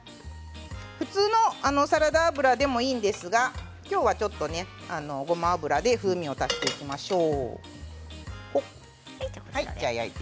普通のサラダ油でもいいんですが今日はちょっとごま油で風味を足していきましょう。